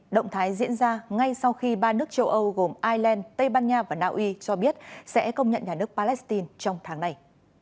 động thái diễn ra ngay sau khi ba nước châu âu gồm ireland tây ban nha và naui cho biết sẽ công nhận nhà nước palestine trong tháng này